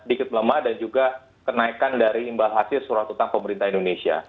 sedikit melemah dan juga kenaikan dari imbal hasil surat utang pemerintah indonesia